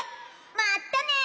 まったね！